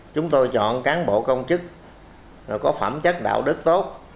chúng tôi chọn cán bộ công chức có phẩm chất đạo đức tốt